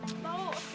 tidak ada apa